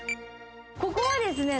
ここはですね